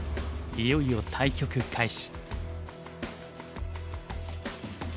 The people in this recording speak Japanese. いよいよ対局開始。